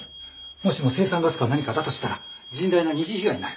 もしも青酸ガスか何かだとしたら甚大な二次被害になる。